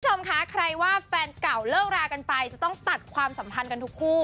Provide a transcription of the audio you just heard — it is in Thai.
คุณผู้ชมคะใครว่าแฟนเก่าเลิกรากันไปจะต้องตัดความสัมพันธ์กันทุกคู่